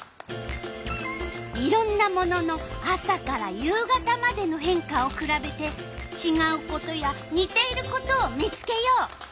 いろんなものの朝から夕方までの変化をくらべてちがうことやにていることを見つけよう。